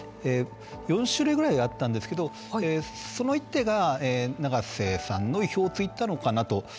４種類ぐらいあったんですけどその一手が永瀬さんの意表をついたのかなと。